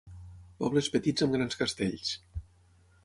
pobles petits amb grans castells